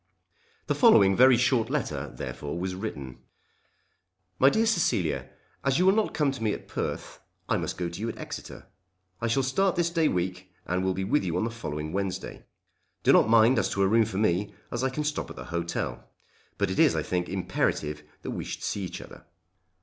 The following very short letter therefore was written. "My dear Cecilia, as you will not come to me at Perth, I must go to you at Exeter. I shall start this day week and will be with you on the following Wednesday. Do not mind as to a room for me, as I can stop at the hotel; but it is I think imperative that we should see each other.